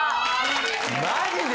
・マジで？